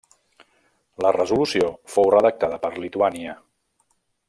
La resolució fou redactada per Lituània.